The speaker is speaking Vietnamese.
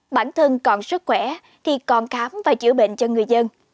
bản thân còn sức khỏe khi còn khám và chữa bệnh cho người dân